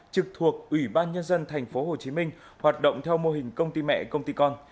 trực thuộc ủy ban nhân dân tp hcm hoạt động theo mô hình công ty mẹ công ty con